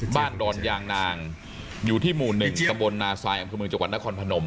บ้านดอนยางนางอยู่ที่หมู่หนึ่งสมนตร์นาซายอำเภอเมืองจังหวัดนครพนม